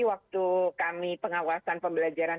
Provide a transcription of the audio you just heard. waktu kami pengawasan pembelajaran